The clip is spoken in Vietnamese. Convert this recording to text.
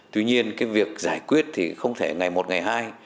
tuy nhiên cái việc giải quyết thì không thể ngày một ngày hai